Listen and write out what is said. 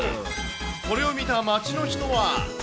これを見た街の人は。